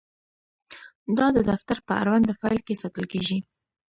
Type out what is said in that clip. دا د دفتر په اړونده فایل کې ساتل کیږي.